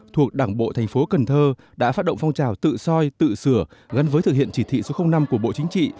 thuộc đảng bộ thành phố cần thơ đã phát động phong trào tự soi tự sửa gắn với thực hiện chỉ thị số năm của bộ chính trị